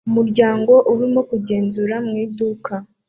Umuryango urimo kugenzura mu iduka